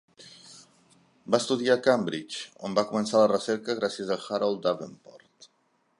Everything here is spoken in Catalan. Va estudiar a Cambridge, on va començar la recerca gràcies a Harold Davenport.